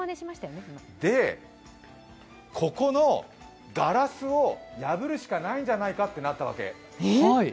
で、ここのガラスを破るしかないじゃないかとなったわけ。